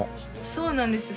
そうなんですよ